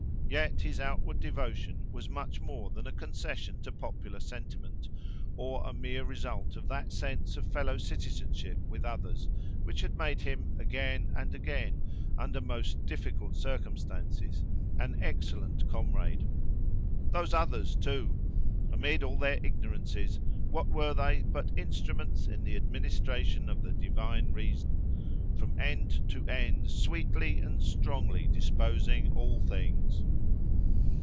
Yet his outward devotion was much more than a concession to popular sentiment, or a mere result of that sense of fellow citizenship with others, which had made him again and again, under most difficult circumstances, an excellent comrade. Those others, too!—amid all their ignorances, what were they but instruments in the administration of the Divine Reason, "from end to end sweetly and strongly disposing all things"?